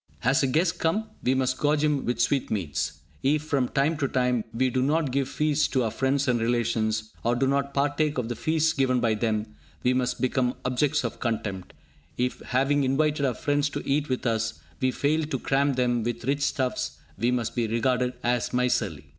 Has a guest come? We must gorge him with sweetmeats. If, from time to time, we do not give feasts to our friends and relations, or do not partake of the feasts given by them, we must become objects of contempt. If, having invited our friends to eat with us, we fail to cram them with rich stuffs, we must be regarded as miserly.